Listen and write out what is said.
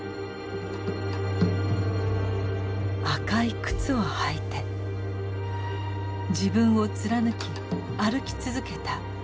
赤い靴を履いて自分を貫き歩き続けた有吉佐和子。